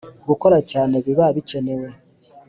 gukora cyane biba bikenewe.